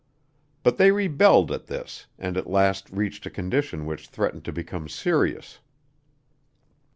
But they rebelled at this and at last reached a condition which threatened to become serious.